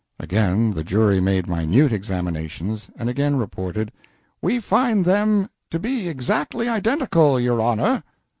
Again the jury made minute examinations, and again reported "We find them to be exactly identical, your honor."